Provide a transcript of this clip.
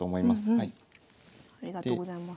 ありがとうございます。